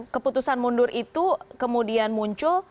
keputusan mundur itu kemudian muncul